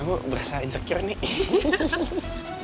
gua berasa insecure nih